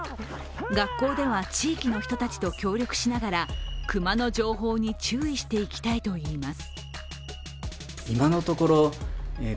学校では地域の人たちの協力しながら熊の情報に注意していきたいといいます。